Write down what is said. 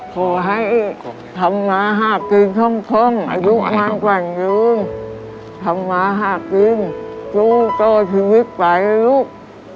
โทษให้ทำมาห้าจีนท่องท่องทำมาห้าจีนจูโตชีวิตไปลูก